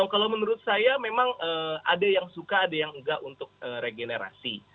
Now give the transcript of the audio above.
kalau menurut saya memang ada yang suka ada yang enggak untuk regenerasi